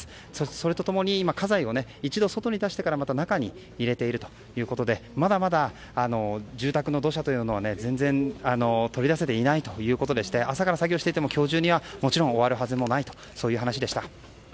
それと共に家財を一度外に出してからまた中に入れているということでまだまだ住宅の土砂は全然、取り出せていないということでして朝から作業していても今日中にはもちろん終わるはずもないという話でした。